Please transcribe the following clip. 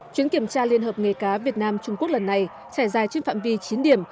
chuyến kiểm tra liên hợp nghề cá việt nam trung quốc lần này trải dài trên phạm vi chín điểm